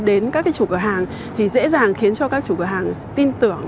đến các cái chủ cửa hàng thì dễ dàng khiến cho các chủ cửa hàng tin tưởng